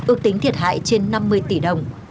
ước tính thiệt hại trên năm mươi tỷ đồng